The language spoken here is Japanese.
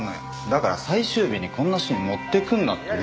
だから最終日にこんなシーン持ってくるなって。